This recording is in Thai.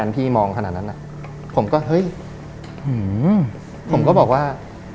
ผมก็บอกว่า